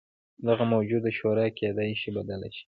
دغه موجوده شورا کېدای شي بدله شي.